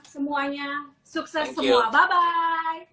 semuanya sukses semua thank you bye bye